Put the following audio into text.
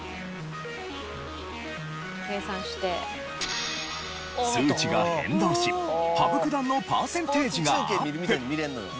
「計算して」数値が変動し羽生九段のパーセンテージがアップ。